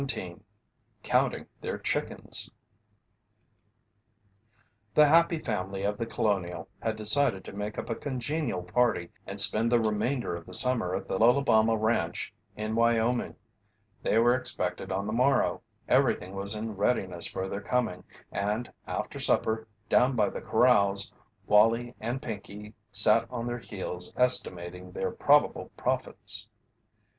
CHAPTER XVII COUNTING THEIR CHICKENS The "Happy Family" of The Colonial had decided to make up a congenial party and spend the remainder of the summer at the Lolabama Ranch in Wyoming. They were expected on the morrow, everything was in readiness for their coming, and, after supper, down by the corrals Wallie and Pinkey sat on their heels estimating their probable profits.